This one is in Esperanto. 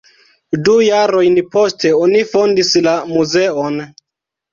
Du jarojn poste oni fondis la muzeon.